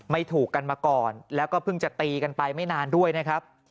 ถูกกันมาก่อนแล้วก็เพิ่งจะตีกันไปไม่นานด้วยนะครับ